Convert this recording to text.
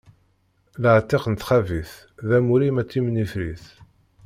Laɛtiq n txabit, d amur-im a timnifrit!